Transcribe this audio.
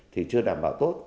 thì chưa đảm bảo tốt